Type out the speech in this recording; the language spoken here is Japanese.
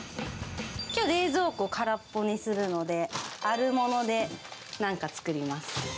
きょう、冷蔵庫空っぽにするので、あるものでなんか作ります。